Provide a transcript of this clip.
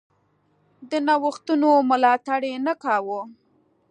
د نوښتونو ملاتړ یې نه کاوه.